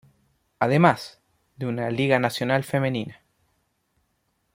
Además, de una Liga Nacional Femenina.